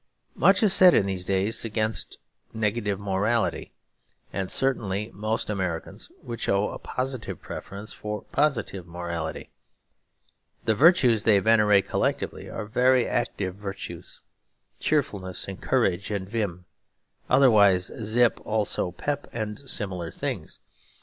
Much is said in these days against negative morality; and certainly most Americans would show a positive preference for positive morality. The virtues they venerate collectively are very active virtues; cheerfulness and courage and vim, otherwise zip, also pep and similar things.